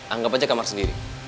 anggap aja kamar sendiri